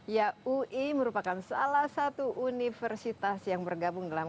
ya ui merupakan salah satu universitas yang bergabung dalam